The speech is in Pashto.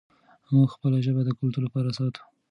موږ خپله ژبه د کلتور لپاره ساتو.